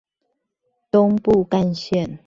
東部幹線